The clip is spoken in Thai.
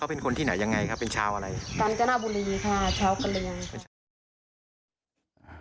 เขาเป็นคนที่ไหนยังไงครับเป็นชาวอะไรกันจันทบุรีค่ะชาวกะเรือง